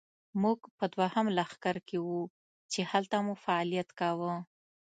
موږ په دوهم لښکر کې وو، چې هلته مو فعالیت کاوه.